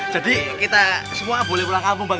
jadi kita semua boleh pulang kampung bang